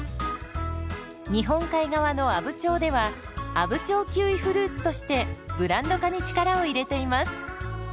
日本海側の阿武町では「阿武町キウイフルーツ」としてブランド化に力を入れています。